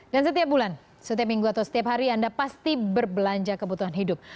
dan setiap bulan setiap minggu atau setiap hari anda pasti berbelanja kebutuhan hidup